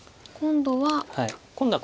今度は。